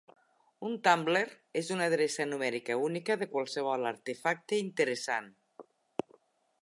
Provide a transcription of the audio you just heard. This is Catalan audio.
Un "tumbler" és una adreça numèrica única de qualsevol artefacte interessant.